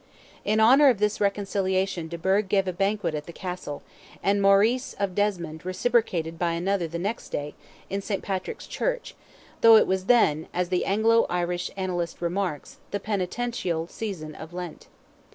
In honour of this reconciliation de Burgh gave a banquet at the castle, and Maurice of Desmond reciprocated by another the next day, in St. Patrick's Church, though it was then, as the Anglo Irish Annalist remarks, the penitential season of Lent.